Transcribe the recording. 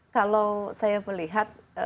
kalau saya melihat